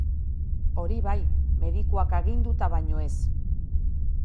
Hori bai, medikuak aginduta baino ez.